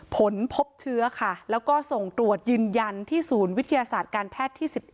ผลพบเชื้อค่ะแล้วก็ส่งตรวจยืนยันที่ศูนย์วิทยาศาสตร์การแพทย์ที่๑๑